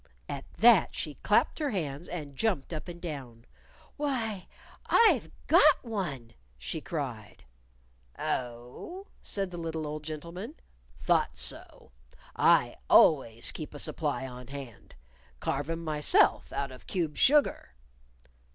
At that she clapped her hands and jumped up and down. "Why, I've got one!" she cried. "Oh?" said the little old gentleman. "Thought so. I always keep a supply on hand. Carve 'em myself, out of cube sugar."